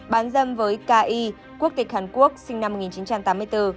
bán dâm với k i quốc tịch hàn quốc sinh năm một nghìn chín trăm tám mươi bốn